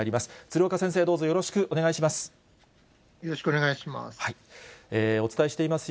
鶴岡先生、どうぞよろしくお願いします。